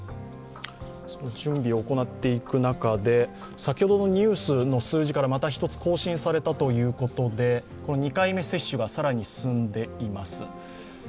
準備を行う中で、先ほどのニュースの数字からまた１つ更新されたということで、２回目接種が更に進んでいます。